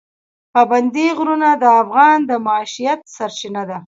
پابندی غرونه د افغانانو د معیشت سرچینه ده.